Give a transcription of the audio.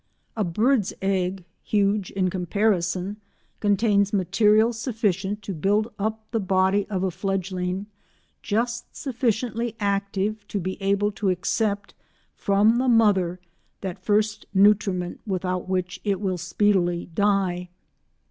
A bird's egg, huge in comparison, contains material sufficient to build up the body of a fledgeling just sufficiently active to be able to accept from the mother that first nutriment without which it will speedily die.